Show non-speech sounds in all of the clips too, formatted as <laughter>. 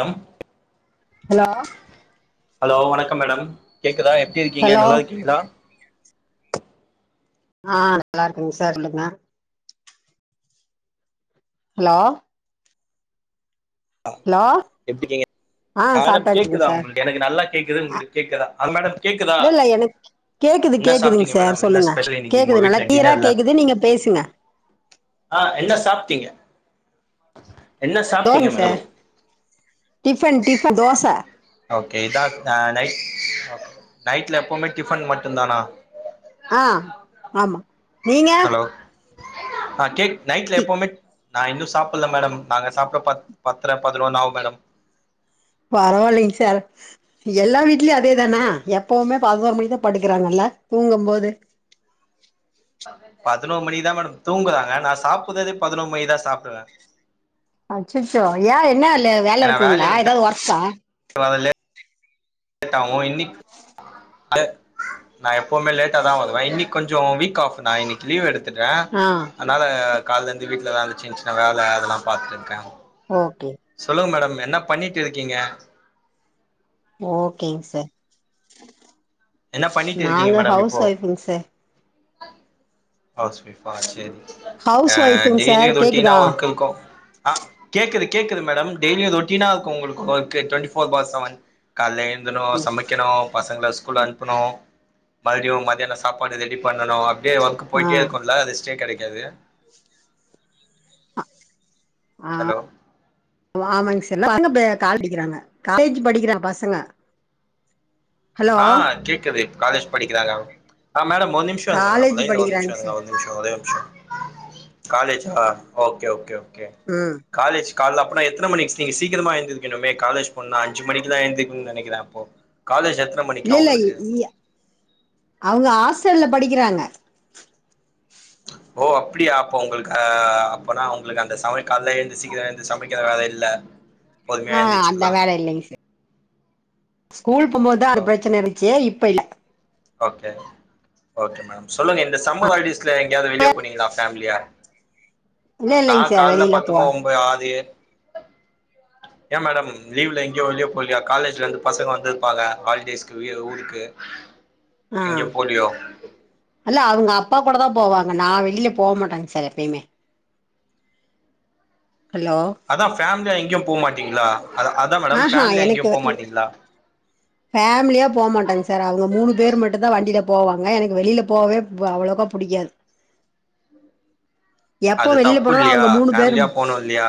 தம் hello hello வணக்கம் madam கேக்குதா எப்டி இருக்கீங்க ஹலோ நல்லா இருக்கீங்களா ஆ நல்லா இருக்கங் சார் நல்லா ஹலோ ஆ ஹலோ எப்டிகிங்க ஆ மேடம் சாப்ட்டாச்சுங்க கேக்குதா சார் உங்களுக்கு எனக்கு நல்லா கேக்குது உங்களுக்கு கேக்குதா ஆ மேடம் கேக்குதா இல்ல இல்ல எனக் என்ன சாப்பிட்டீங்க மேடம் என்ன ஸ்பெஷல் இன்னைக்கு உங்க கேக்குது நல்லா வீட்டுல கிளியரா டின்னர்யில்ல கேக்குது நீங்க பேசுங்க ஆ என்ன சாப்ட்டீங்க என்ன தோச சாப்ட்டீங்க madam sir tiffin tiffin dosa okay இதான் நைட் நைட்ல எப்பவுமே டிஃபன் மட்டு தானா ஆ ஆமா நீங்க ஹலோ ஆ கேக் நைட்ல கி எப்பவுமே நா இன்னு சாப்புல மேடம் நாங்க சாப்புட பத் பத்தர பதினெண்ணு ஆகு மேடம் பரவாயில்லங் சார் எல்லார் வீட்லையு அதேதானா எப்பவுமே பதினோர் மணிக்குதா படுக்கிறாங்கல்ல தூங்கும் போது பதினோர் மணிதா மேடம் தூங்குராங்க நா சாப்புடுதே பதினொர் மணிதா சாப்பிடுவே அச்சச்சோ ஏன் என்ன ல வேல இருக்குங்களா ஏதாவது ஓர்க்கா இப்ப அதல்லே லோட்டாகு இன்னிக் அது நா எப்பவுமே லேட்டா தா வருவேன் இன்னைக்கு கொஞ்சோ வீக் ஆஃப் நா இன்னைக் லீவ் எடுத்துடே ஆ அதனால காலேருந்து வீட்டில வேல சின்ன சின்ன வேலை அதெல்லா பாத்துட்டுருக்கே ஓகே சொல்லுங்க மேடம் என்ன பண்ணிட்ருக்கீங்க ஓகேங்க சார் என்ன பண்ணிட்டு இருக்கீங்க நாங்க மேடம் ஹவுஸ் இப்போ வொய்ஃபுங்க சார் ஹவுஸ் வொய்ஃபா சேரி ஹவுஸ் ஆ ஒய்ஃபுங் டெய்லி சார் ரொட்டீனா கேக்குதா ஒர்க் இருக்கோ ஆ கேக்குது கேக்குது மேடம் டெய்லியு ரொட்டீனா இருக்கோ உங்குளுக்கு ஒர்க்கு ட்வன்ட்டி ஃபோர் பார் செவன் கால்லே எழுந்துனு சமைக்கனோ பசங்கள ஸ்கூல் அனுப்பணோ மறுபடியு மத்தியானோ சாப்பாடு ரெடி பண்ணனோ அப்டியே ஒர்க் ஆ போயிட்டே இருக்கோல ரெஸ்டே கெடைக்காது ஆ ஹலோ ஆமாங்க சார் எல்லா பசங்க இப்ப படிக்கிறாங்க காலேஜு படிக்கிறாங்க பசங்க ஹலோ ஆ கேக்குது காலேஜ் படிக்கிறாங்க ஆ மேடம் ஒரு நிம்ஷோ இருங்க மேடம் காலேஜ் லயன்ல ஒரு நிம்ஷோ படிக்கிறாங்க இருங் சார் ஒரே ஒரு நிமிஷோ காலேஜா ஓகே ஓகே ஓகே ம் காலேஜ் கால அப்டினா எத்தன மணிக்கு நீங்க சீக்கரமா எழுந்திருக்கணுமே காலேஜ் போனோனா அஞ்சு மணிக்கெல்லா எழுந்திருக்கனுமே நெனைக்கிற அப்போ காலேஜு எத் இல்லல்ல இங்க அவுங்க ஹாஸ்டல்ல படிக்கிறாங்க ஓ அப்புடியா அப்போ உங்குளுக்கு அப்பனா உங்குளுக்கு அந்த சமயல் கால எழுந்து சீக்கிரோ எழுந்து சமைக்கிற வேல இல்ல ஆ பொறுமையா அந்த ஏந்துச்சுக்கலா வேல இல்லைங்க சார் ஸ்கூல் போம்போதுதா ஓ அது பிரச்சன இருந்துச்சே இப்ப இல்ல ஓகே ஓகே மேடம் சொல்லுங்க இந்த சம்மர் ஹாலிடேஸ்ல எங்கயாது வெளியே போ றீங்களா ஃபேமிலியா இல்ல நா இல்லைங்க சார் கால்ல வெளியில போ பத்துமா ஒம்போது ஆதி <unintelligible> ஏ மேடம் லீவ்ல எங்கேயோ வெளிய போலயா காலேஜ்ல இருந்து பசங்க வந்துருப்பாங்க ஹாலிடேஸ்க்கு வீ ஊருக்கு எங்கயோ போலியோ அல்ல அவுங்க அப்பா கூட தா போவாங்க நா வெளில போ மாட்டேங்க சார் எப்பயுமே ஹலோ அதா ஃபேமிலியா எங்கேயு போ மாட்டீங்களா அத அதா மேடம் ஆஹா ஃபேமிலியா எங்கயு போ எனக்கு மாட்டீங்களா ஃபேமிலியா போ மாட்டோங்க சார் அவுங்க மூணு பேர் மட்டுந்தா வண்டியில போவாங்க எனக்கு வெளில போகவே அவ்வளவுக்கா பிடிக்காது உம் எப்போ அது வெளியில தப்பு போனாலும் இல்லியா அவங்க மூணு பேர் ஃபேமிலியா போனோ இல்லீயா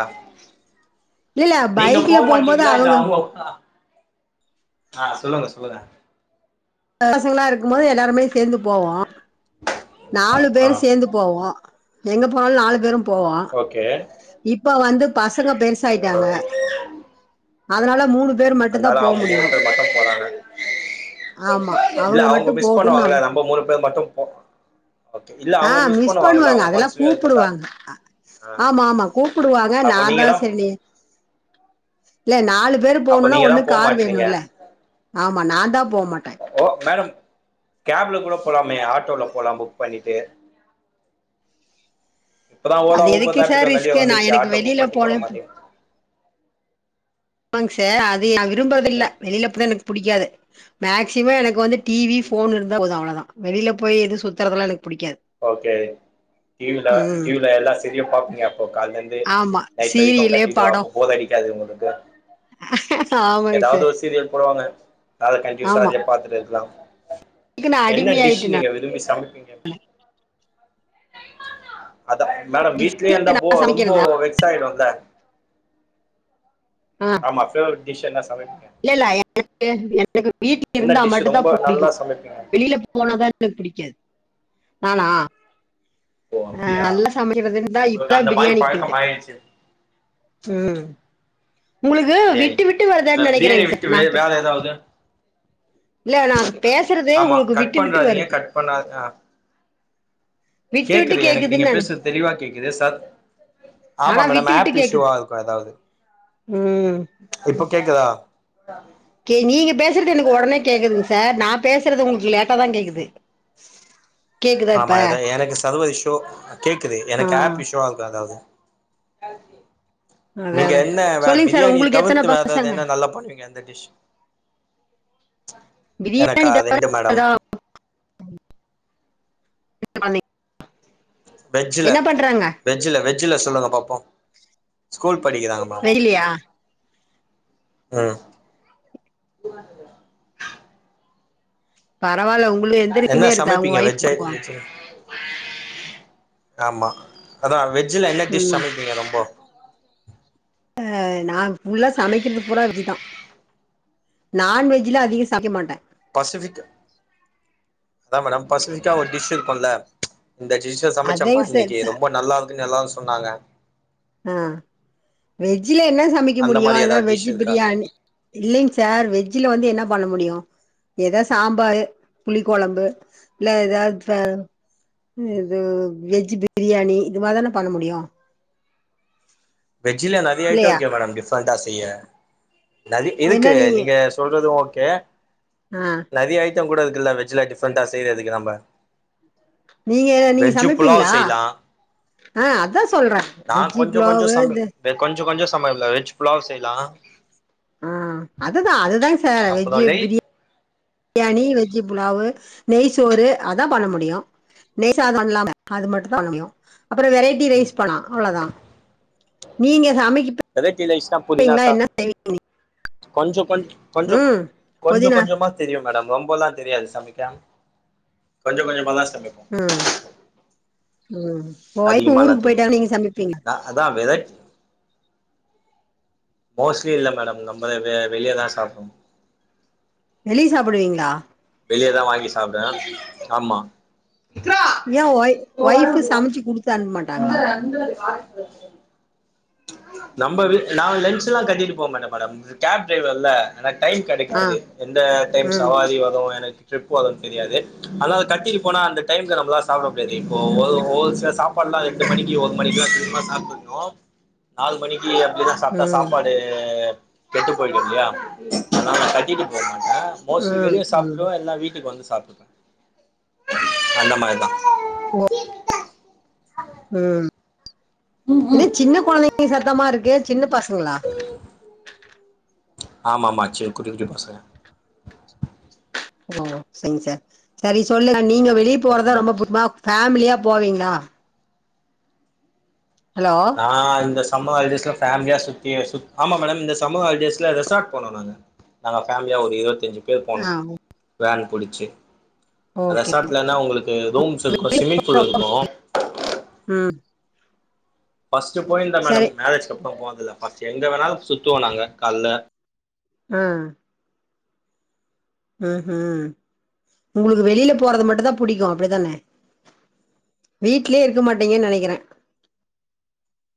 இல்லல்ல நீங்க போ பைக்ல போம்போது மாட்டீங்க அவங்க <unintelligible> ஆ சொல்லுங்க சொல்லுங்க சின்ன பசங்களா இருக்கும் போது எல்லாருமே சேந்து போவோ நாலு ஆ பேரும் சேந்து போவோ எங்க போனாலு நாலு பேரும் போவோ ஓகே இப்ப வந்து பசங்க ஆ பெருசாயிட்டாங்க அதனால மூணு பேர் மட்டும் அதனால தான் போ அவங்க மூணு முடியும் பேரு மட்டு போறாங்க ஆமா இல்ல அவங்க அவுங்க மட்டும் மிஸ் போட்டும்னு பண்ணுவாங்கள நம்ம மூணு பேர் மட்டும் போம் ஆ மிஸ் பண்ணுவாங்க அதெல்லா மனசுலயு இருக்குல்ல கூப்புடுவாங்க ஆ ஆமா ஆமா கூப்புடுவாங்க நா அப்ப தா நீங்கதா சரினே <unintelligible> இல்ல நாலு பேர் அப்ப போணோனா நீங்கதா ஒண்ணு போ கார் மாட்றீங்க வேணோல்ல ஆமா நா தா போமாட்டே ஓ மேடம் கேப்ல கூட போலாமே ஆட்டோல போலா புக் பண்ணிட்டு இப்பதா ஓலா அது ஊபர் எதுக்கு சார் ரேப்பிட்டோ நரீய ரிஸ்க்கு நான் வந்துச்சே எனக்கு ஆட்டோ புக் வெளியில பண்ட்டு போற போனேன் மாரியே ஆமாங்க சார் அது நா விரும்புறத இல்ல ம் வெளில போறது எனக்கு பிடிக்காது மேக்சிமம் எனக்கு வந்து டி வி ஃபோனு இருந்தா போது அவ்வளதா வெளில போய் இருந்து சுத்துறதுல்லா எனக்கு பிடிக்காது ஓகே டி வில டி வில எல்லா சீரியோ பாப்பீங்க அப்போ கால்ல இருந்து ஆமா நைட் வரிக்கோ சீரியலு கண்டினியூ படம் அப்போ போர் அடிக்காது உங்குளுக்கு ஆமாங்க எதாவ்து சார் ஒர் சீரியல் போடுவாங்க அத கண்டியூசா ஆமா அதுயே பாத்துட்டு இருக்லாம் இதுக்கு நான் என்ன டிஷ் அடிமையாயிட்டேன் நீங்க நான் விரும்பி சமப்பீங்க அதா மேடம் வீட்லே டிஷ்ஷு அந்த போ நான் ரொம்போ சமைக்கிறதா வெக்ஸாய்டுல்ல மத்த டிஷ் என்ன சமப்பிங்க இல்லல்ல எனக்கு எனக்கு வீட்ல என்ன டிஷ் இருந்தாமட்டுதா ரொம்ப நல்லா புடிக்கு சமைப்பீங்க வெளில போனதா எனக்கு பிடிக்காது நானா ஓ ஆ அப்டியா நல்லா சமைக்கதுந்தா உங்களுக்கு இஃப்தா அந்த மாரி பிரியாணி கத்துக்கிட்ட பழக்கம் ஆயிடுச்சு ம் உங்களுக்கு பிரியாணி விட்டு விட்டு அ வருதான்னு நெனைக்கிறேங்க பிரியாணிய சார் விட்டு நா வே பே வேறஏதாவ்து இல்ல நா பேசுறது ஆம்மா உங்களுக்கு கட் விட்டு விட்டு பண்றாதீங்க வருது கட் பண்ணா அ விட்டு விட்டு கேக்குது எனக்நீங்க கேக்குதுன்னு நானு பேசது தெளிவாகேக்குது சத் ஆம்மா ஆனா மேடம் விட்டு விட்டு ஆப் கேக்குது இஷ்யூவாருக்கு எதாவ்து ம் இப்போ கேக்குதா தா கே நீங்க பேசுற்து எனக் ஒடனே கேக்குதுங் சார் நா பேசற்து உங்குளுக் லேட்டாதாங்கேக்குது <unintelligible> ஆம்மா அதா எனக்கு சர்வது இஷ்யு கேக்குது ஆ எனக் ஆப் இஷ்யு ஆ இர்க்கு எதாவ்து <unintelligible> அதா நீங்க அதா என்ன வ சொல்லுங்க சார் பிரியாணி உங்களுக்கு எத்தன தவிர்த்து வேதாவ்து பசங்க என்ன நல்லா பண்ணுவீங்க எந்த டிஷ் பிரியாணி எனக்கா தவற ரெண்டு மேடம் எதூ <unintelligible> வெஜ்ஜுல வெஜ்ஜுல்ல வெஜ்ஜுல்ல சொல்லுங்க பாப்போ ஸ்கூல் படிக்குதாங்க அ வெளிலயா ம் பரவால்ல உங்களுக்கு எந்த என்ன ரிஸ்க்குமே இருக்காது உங்க சமைப்பீங்க ஒய்ஃப் வெஜ் பண்ணுவாங்க வெஜ் ஆம்மா அதா வெஜ்ல என்ன டிஷ் ம் சமைப்பீங்க ரொம்போ ஆ நா ஃபுல்லா சமைக்கிற்துபூரா விஜ்ஜிதா நான்வெஜ்ல்ல அதிக சமக்க மாட்டே பசிஃபிக் அத்தா மேடம் பசிபிக்கா ஒரு டிஷ் இருக்குல்ல இந்த டிஷ் த்துஸசமைச்சப்பா அதையு சரி இன்னிக்கு ச ரொம்ப நல்லா இருக்குன்னு எல்லாரு சொன்னாங்க ஆ வெஜ்ஜில என்ன சமக்க அந்த முடியு மாரி எத ஏதாவது டிஷ் இருக்கா வெஜ்ஜுபிரியாணி இல்லிங் சார் வெஜ்ஜுல வந்து என்ன பண்ணமுடியு ஏதாவ் சாம்பாரு புளி கொழம்பு இல்ல ஏதாவ்து இது வெஜ்ஜு பிரியாணி இது மாதிரிதன பண்ண முடியு வெஜ்ஜுல நறிய இல்லையா ஐட்டம்இருக்கே மேடம் டிஃப்ரெண்டா செய்ய நரி இருக்கு நீங்க சொல்றதூ ஓக்கே ஆ நறிய ஐட்டம் கூட இருகுல்ல வெஜ்ல டிஃரெண்டா செய்றதுக்கு நம்ப நீங்க எத நீங்க புலாவ் சமைப்பீங்களா செய்யலா அ அத்தா சொல்ற வெஜ்ஜி புலாவு து பே கொஞ்சொ கொஞ்சொ சமயல்ல வெஜ்ஜு புலாவ் செய்ல்லா அ அதுதா அதுதாங் சார் அப்புறோ வெஜ்ஜு நெய் பிரிய பிரியாணி வெஜ்ஜி புலாவு் நெய்சோறு அதா பண்ணமுடியு நெய்சாதொ இல்லாம அது மட்டுதா பண்ணமுயு அப்பற வெரைட்டி ம் ரைஸ் போலா அவ்ளோதா நீங்க சமைக்கப் வேரெட்டி லைஸ்னா புதினா சா கொஞ்சொ கொஞ் கொஞ்சொக் ம் கொஞ்சொ புதினா கொஞ்சொமா தெரியும் மேடம் ரொம்பல்லா தெரியாது சமைக்க கொஞ்ச கொஞ்சமா தா சமைப்ப ம் ம் உங்க வொய்ஃப் அதிகமாலா ஊருக்கு போயிட்டா தெரியாது நீங்க சமைப்பீங்ளா நா அதா வெதக் மோஸ்ட்லி இல்ல மேடம் நம்ம வெ வெளியதா சாப்டுவோ வெளிய சாப்டுவீங்களா வெளியதா வாங்கி சாப்டுவ ஆமா விக்ரா ஏன் ஒய் போட ஒய்ஃப் விடுவ சமைச்சு குடுத்து அனுப்ப அந்த மாட்டாங்களா அந்த வாரக் நம்ப வீட் நாங்க லன்ச் எல்லா கட்டிட்டு போக மாட்ட மேடம் கேப் டிரைவர்ல ஆனா டைம் ஆ கெடைக்காது எந்த டைம் ம் சவாரி வரு எனக்கு ட்ரிப் வருன் தெரியாது அதனால கட்டிட்டு போனா அந்த டைம்ல நம்பளால சாப்ட முடியாது இப்போ ஒரு ஒரு சில சாப் சாப்பாடுலா எட்டு மணிக்கு ஒரு மணிக்கு சூடா சாப்டணு நாலு மணிக்கு அப்டிதா சாப்டா ம் சாப்பாடு டு கெட்டு போயிடும்ல அதனால கட்டிட்டு போ மாட்ட மோஸ்லி ம் வெளிய ம் சாப்பிடுவ எல்லா வீட்டுக்கு வந்து சாப்டுப அந்த மாரிதா ம் ம் ம் ஏனா சின்ன கொழந்தைங்க சத்தமா இருக்கு சின்ன பசங்ளா ஆமா ஆமா சி குட்டி குட்டி பசங்க ஓ சரிங்க சார் சரி சொல்லு நீங்க வெளியே போறதா சின்ன ரொம்ப பசங்க புடிக்குமா ஃபேமிலியா போவீங்களா ஹலோ ஆ இந்த சம்மர் ஹாலிடேஸ்ல ஃபேமிலியா சுத்தி சு ஆமா மேடம் இந்த சம்ம ஹாலிடேஸ்ல ரெசார்ட் போனோ நாங்க நாங்க ஃபேமிலியா ஒரு இருவத்தஞ்சு பேர் போனோ ஆ வேன் புடிச்சு ஓகே ரெசாட்லனா உங்களுக்கு ரூம்ஸ் இருக்கு ஸ்விமிங் பூல் இருக்கு ம் ஃபஸ்டு போயிருந்த மேடம் சரி மேரேஜ் அப்புற போனதில்ல ஃபஸ்ட் எங்க வேணாலு சுத்துவோ நாங்க கால்ல அ ம்ஹூ உங்களுக்கு வெளியில போறது மட்டுந்தா புடிக்கு அப்டிதான வீட்லயே இருக்க மாட்டீங்கன் நெனைக்கிறே